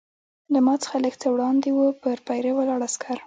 له ما څخه لږ څه وړاندې وه، پر پیره ولاړ عسکر.